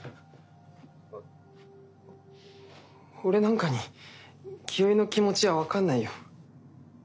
おお俺なんかに君の気持ちは分かんないよ。